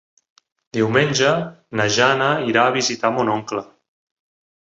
Diumenge na Jana irà a visitar mon oncle.